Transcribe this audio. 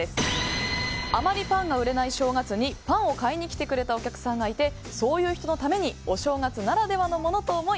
あまりパンが売れない正月にパンを買いに来てくれたお客さんがいてそういう人のためにお正月ならではのものと思い